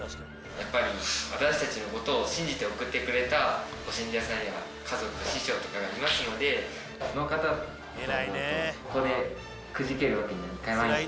やっぱり私たちのことを信じて送ってくれたご信者さんや家族、師匠とかがいますので、その方のことを思うと、ここでくじけるわけにはいかない。